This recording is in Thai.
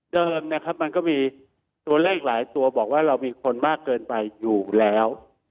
นะครับมันก็มีตัวเลขอีกหลายตัวบอกว่าเรามีคนมากเกินไปอยู่แล้ว